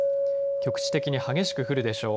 局地的に激しく降るでしょう。